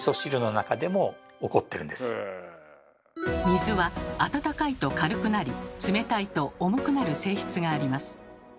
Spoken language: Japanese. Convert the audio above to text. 水は温かいと軽くなり冷たいと重くなる性質があります。